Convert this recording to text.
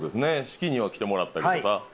式には来てもらったけどさ。